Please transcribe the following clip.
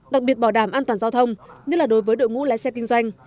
đặc biệt bảo đảm an toàn giao thông nhất là đối với đội ngũ lái xe kinh doanh